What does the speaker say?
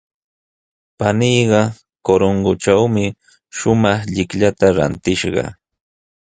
Paniiqa Corongotrawmi shumaq llikllata rantishqa.